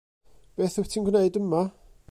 Beth wyt ti'n gwneud yma?